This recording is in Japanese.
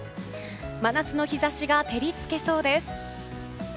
真夏の日差しが照り付けそうです。